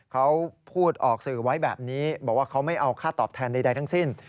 เขาพูดออกสื่อไว้แบบนี้บอกว่าเขาไม่เอาค่าตอบแทนใดทั้งสิ้น